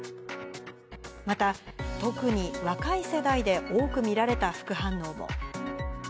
また、特に若い世代で多く見られた副反応も。